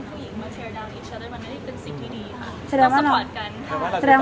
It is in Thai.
คุณคิดว่าในฐานะที่เราเป็นผู้หญิง